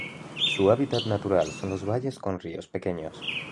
Su hábitat natural son los valles con ríos pequeños.